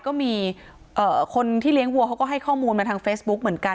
ก็มีคนที่เลี้ยงวัวเขาก็ให้ข้อมูลมาทางเฟซบุ๊กเหมือนกัน